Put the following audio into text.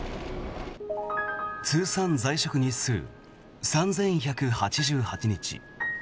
通算在職日数３１８８日。